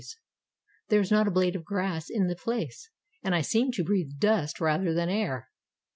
There is not a blade of grass in the place, and I seemed to breathe dust rather than air.